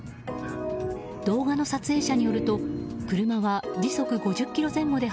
動画の撮影者によると車は時速５０キロ前後で